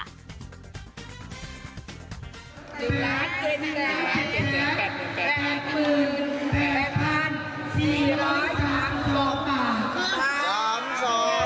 เก็บมาก